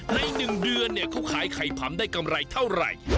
ใน๑เดือนเขาขายไข่ผำได้กำไรเท่าไหร่